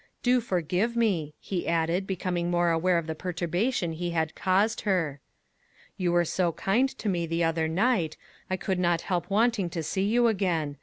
"Do forgive me," he added, becoming more aware of the perturbation he had caused her. "You were so kind to me the other night, I could not help wanting to see you again.